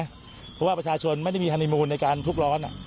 เพราะว่าประชาชนไม่ได้มีฮานีมูลในการทุกร้อน